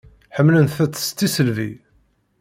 Ḥemmlent-tt s tisselbi.